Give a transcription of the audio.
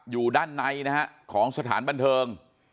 อยู่ด้านในนะฮะของสถานบันเทิง